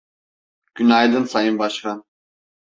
Günaydın Sayın Başkan.